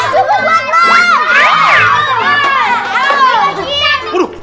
cukup buat lo